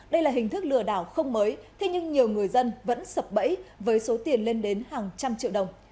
đây là hình thức lừa đảo không mới thế nhưng nhiều người dân vẫn sập bẫy với số tiền lên đến hàng trăm triệu đồng